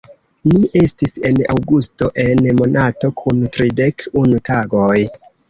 Ni estis en Aŭgusto, en monato kun tridek-unu tagoj.